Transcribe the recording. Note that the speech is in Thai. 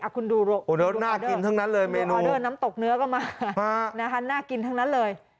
คุณดูออเดอร์น้ำตกเนื้อก็มาน่ากินทั้งนั้นเลย